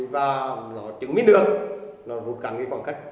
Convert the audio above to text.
và nó chứng minh được nó rút ngắn cái khoảng cách